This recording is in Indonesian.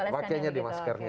pakainya di maskernya